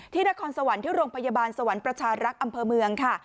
นครสวรรค์ที่โรงพยาบาลสวรรค์ประชารักษ์อำเภอเมืองค่ะ